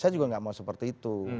saya juga nggak mau seperti itu